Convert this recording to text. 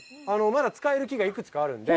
まだ使える木が幾つかあるので。